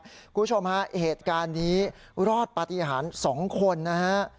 คุณผู้ชมฮะเหตุการณ์นี้รอดปฏิหาร๒คนนะฮะ